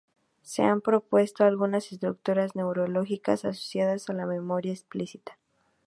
Se han propuesto algunas estructuras neurológicas asociadas a la memoria explícita.